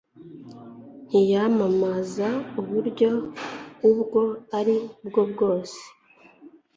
ntiyamamaza uburyo ubwo ari bwo bwose